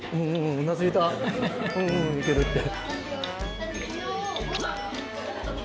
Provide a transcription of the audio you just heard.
うなずいたうんうんうんいけるって。